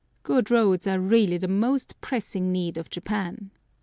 Good roads are really the most pressing need of Japan.